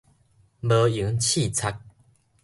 無閒刺鑿